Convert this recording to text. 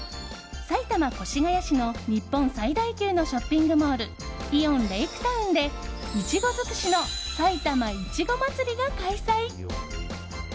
埼玉・越谷市の日本最大級のショッピングモールイオンレイクタウンでイチゴ尽くしの埼玉いちごまつりが開催。